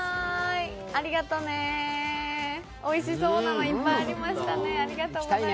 ありがとね、おいしそうなのいっぱいありましたね。